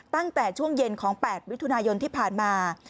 ตั้งแต่ช่วงเย็นของ๘มิถุนายนที่ผ่านมา